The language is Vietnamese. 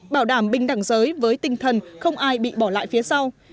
bảo đảm bình đẳng giới với tinh thần không ai bị bỏ lại phía sau